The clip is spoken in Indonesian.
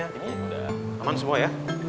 ini udah aman semua ya